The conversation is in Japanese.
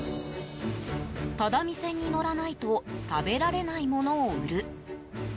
「只見線にのらないとたべられないものをうる」